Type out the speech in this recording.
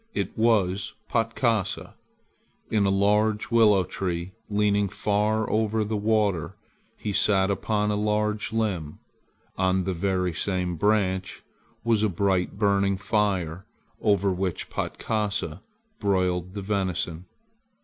It was Patkasa. In a large willow tree leaning far over the water he sat upon a large limb. On the very same branch was a bright burning fire over which Patkasa broiled the venison.